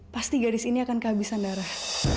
pasti gadis ini akan kehabisan darah